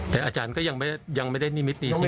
แต่อาจารย์ก็ยังไม่ได้นิมิตดีใช่ไหม